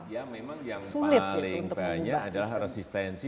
ya memang yang paling banyak adalah resistensi